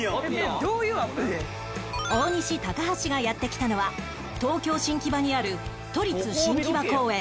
大西高橋がやって来たのは東京新木場にある都立新木場公園